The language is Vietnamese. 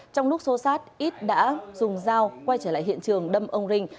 trong lúc xô xát ít đã dùng dao quay trở lại hiện trường đâm ông rinh